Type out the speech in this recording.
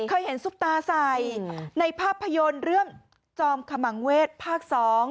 เคยเห็นซุปตาใส่ในภาพยนตร์เรื่องจอมขมังเวศภาค๒